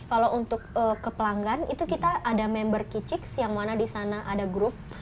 kalau untuk ke pelanggan itu kita ada member kicix yang mana di sana ada grup